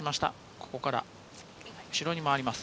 ここから後ろに回ります。